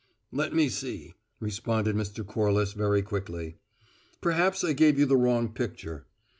"Let me see," responded Mr. Corliss very quickly. "Perhaps I gave you the wrong picture.